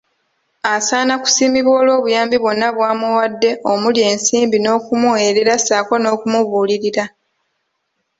Asaana kusiimibwa olw'obuyambi bwonna bwamuwadde omuli ensimbi n'okumuweerera ssaako n'okumubuulirira.